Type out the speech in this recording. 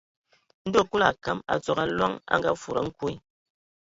Ndo Kulu a akam a tsogo Aloŋ a ngafudi a nkwe.